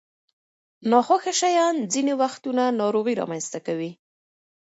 ناخوښه شیان ځینې وختونه ناروغۍ رامنځته کوي.